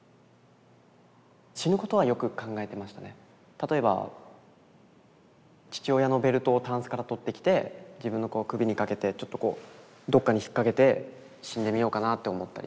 例えば父親のベルトをタンスから取ってきて自分の首にかけてちょっとこうどっかに引っ掛けて死んでみようかなって思ったり。